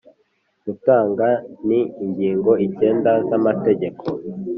gutunga ni ingingo icyenda z'amategeko